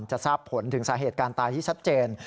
ทราบผลถึงสาเหตุการณ์ตายที่ชัดเจน